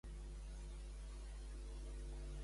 País i Compromís demanen de repensar el funcionament de Bloc.